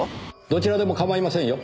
どちらでもかまいませんよ。